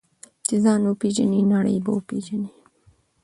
چې ځان وپېژنې، نړۍ به وپېژنې.